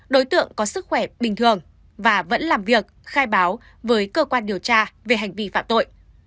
đối tượng có sức khỏe bình thường và vẫn làm việc khai báo với cơ quan điều tra về hành vi phạm tội